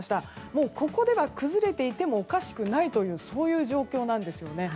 もうここでは崩れていてもおかしくないというそういう状況なんですよね。